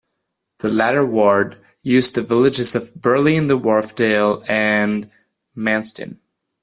The latter ward housed the villages of Burley-in-Wharfedale and Menston.